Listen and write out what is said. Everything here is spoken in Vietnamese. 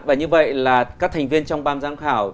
và như vậy là các thành viên trong ban giám khảo